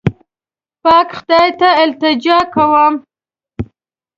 پاک خدای ته التجا کوم.